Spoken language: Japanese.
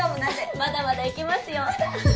まだまだ行けますよ！